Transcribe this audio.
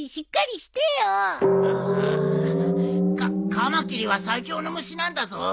カカマキリは最強の虫なんだぞ。